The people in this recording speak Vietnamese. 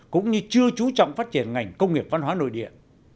cũng như chưa trú trọng phát triển ngành công nghiệp văn hóa nội địa